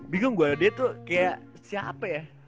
bingung buat dia tuh kayak siapa ya